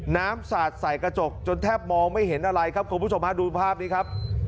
สาดใส่กระจกจนแทบมองไม่เห็นอะไรครับคุณผู้ชมฮะดูภาพนี้ครับ